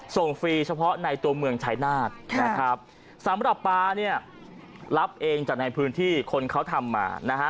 ฟรีเฉพาะในตัวเมืองชายนาฏนะครับสำหรับปลาเนี่ยรับเองจากในพื้นที่คนเขาทำมานะฮะ